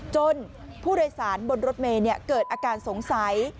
ผู้โดยสารบนรถเมย์เกิดอาการสงสัย